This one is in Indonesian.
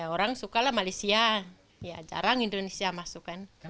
orang suka lah malaysia ya jarang indonesia masuk kan